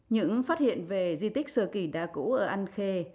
những phát hiện về di tích sơ kỳ đa cũ ở an khê